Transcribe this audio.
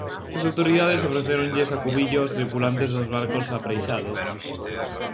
As autoridades ofrecéronlles acubillo aos tripulantes dos barcos apreixados.